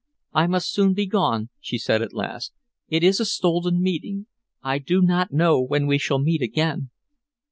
"I must soon be gone," she said at last. "It is a stolen meeting. I do not know when we shall meet again."